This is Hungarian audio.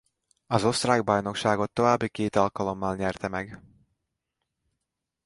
Az osztrák bajnokságot további két alkalommal nyerte meg.